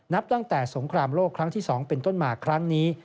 นับตั้งแต่สงครามโลกครั้งที่๒เป็นต้นมาครั้งนี้